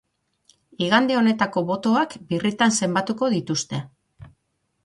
Igande honetako botoak birritan zenbatuko dituzte.